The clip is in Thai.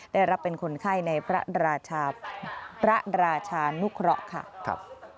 ได้รับเป็นคนไข้ในพระราชานุเคราะห์ค่ะ